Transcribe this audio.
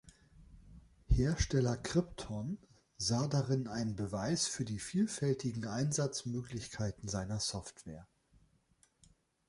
Hersteller Crypton sah darin einen Beweis für die vielfältigen Einsatzmöglichkeiten seiner Software.